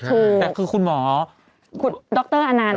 ถูกคุณหมอคุณดรอันนันต์